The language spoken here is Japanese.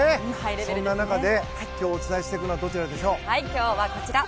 そんな中で今日お伝えしていくのは今日はこちら。